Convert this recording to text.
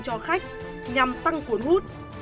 cho khách nhằm tăng cuốn hút